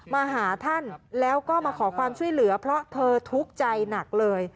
มาหาท่านแล้วก็มาขอความช่วยเหลือเพราะเธอทุกข์ใจหนักเลย